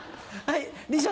はい。